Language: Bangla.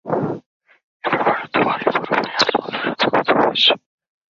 এই ব্যাপারে তোমারই বড় ভাই আজমলের সাথে কথা হয়েছে।